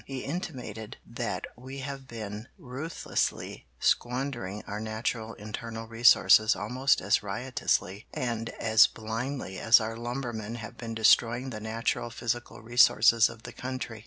He intimated that we have been ruthlessly squandering our natural internal resources almost as riotously and as blindly as our lumbermen have been destroying the natural physical resources of the country.